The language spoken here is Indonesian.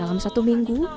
dalam satu minggu